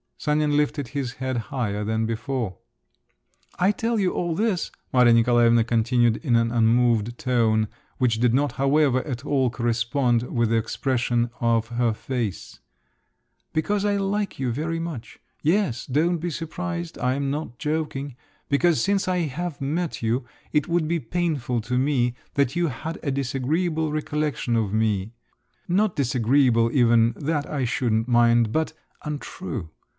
Sanin lifted his head higher than before. "I tell you all this," Maria Nikolaevna continued in an unmoved tone, which did not, however, at all correspond with the expression of her face, "because I like you very much; yes, don't be surprised, I'm not joking; because since I have met you, it would be painful to me that you had a disagreeable recollection of me … not disagreeable even, that I shouldn't mind, but untrue.